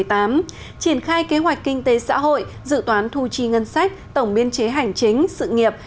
triển khai kế hoạch kinh tế xã hội dự toán thu chi ngân sách tổng biên chế hành chính sự nghiệp